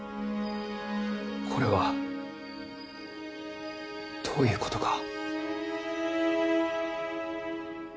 これはどういうことか。